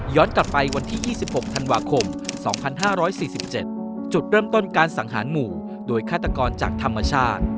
กลับไปวันที่๒๖ธันวาคม๒๕๔๗จุดเริ่มต้นการสังหารหมู่โดยฆาตกรจากธรรมชาติ